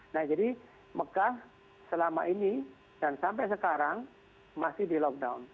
nah jadi mekah selama ini dan sampai sekarang masih di lockdown